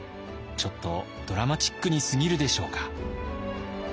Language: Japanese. ちょっとドラマチックにすぎるでしょうか。